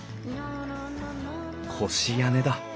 越屋根だ。